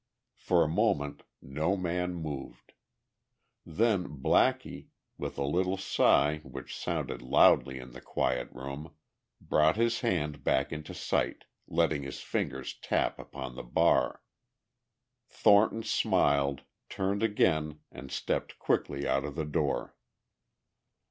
For a moment no man moved. Then Blackie, with a little sigh which sounded loudly in the quiet room, brought his hand back into sight, letting his fingers tap upon the bar. Thornton smiled, turned again and stepped quickly out of the door.